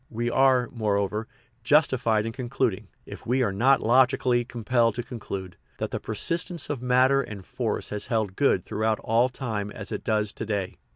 We are, moreover, justified in concluding, if we are not logically compelled to conclude, that the persistence of matter and force has held good throughout all time as it does to day.